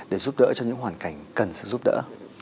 để giúp đỡ cho những hoàn cảnh cần sự giúp đỡ